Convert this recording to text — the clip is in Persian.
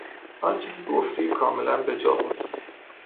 آنچه که گفتی کاملا بجا بود.